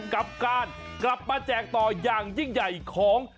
กับการกลับมาแจกต่ออย่างยิ่งใหญ่ของ